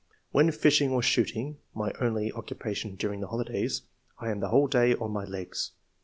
When fishing or shooting (my only occu pation during the holidays) I am the whole day on my legs.